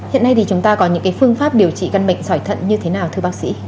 hiện nay thì chúng ta có những cái phương pháp điều trị căn bệnh sỏi thận như thế nào thưa bác sĩ